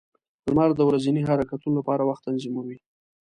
• لمر د ورځني حرکتونو لپاره وخت تنظیموي.